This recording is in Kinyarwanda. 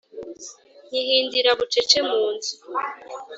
nkihindira bucece mu nzu